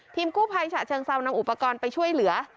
กู้ภัยฉะเชิงเซานำอุปกรณ์ไปช่วยเหลือ